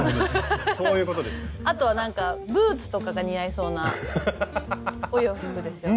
あとはなんかブーツとかが似合いそうなお洋服ですよね。